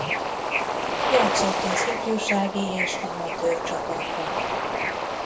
Játszott az ifjúsági és amatőr csapatban.